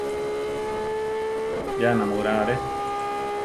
Ya námura are!